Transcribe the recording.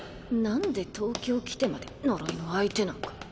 なんで東京来てまで呪いの相手なんか。